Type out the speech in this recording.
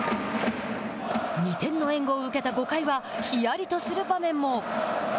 ２点の援護を受けた５回はひやりとする場面も。